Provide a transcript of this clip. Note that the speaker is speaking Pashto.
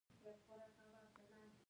هغه د قطب منار جوړول پیل کړل.